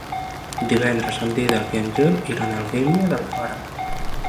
Divendres en Dídac i en Gil iran a Algímia d'Alfara.